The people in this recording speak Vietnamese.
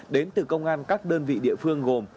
đến từ công an các đơn vị địa phương gồm